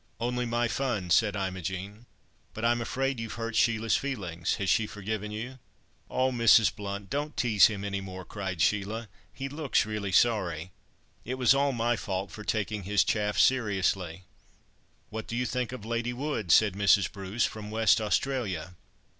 "Only my fun," said Imogen. "But I'm afraid you've hurt Sheila's feelings. Has she forgiven you?" "Oh! Mrs. Blount, don't tease him any more," cried Sheila. "He looks really sorry. It was all my fault, for taking his chaff seriously." "What do you think of Lady Wood?" said Mrs. Bruce, "from West Australia?"